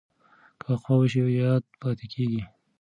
که وقفه وشي یاد پاتې کېږي.